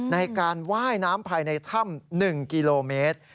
ในการว่ายน้ำภายในถ้ำ๑กิโลเมตร